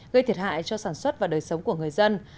gây thiệt hại cho sản xuất và đời sống của người dân